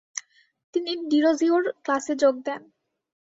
তিনি ডিরোজিওর ক্লাসে যোগ দেন।